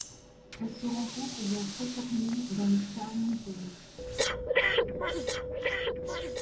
Elle se rencontre vers Okapmin dans les Star mountains.